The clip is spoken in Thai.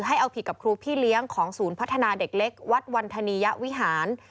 ให้เอาผิดกับครูพี่เลี้ยงของศูนย์พัฒนาเด็กเล็กวัดวันธนียวิหาร